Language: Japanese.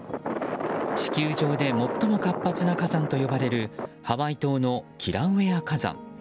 地球上で最も活発な火山と呼ばれるハワイ島のキラウエア火山。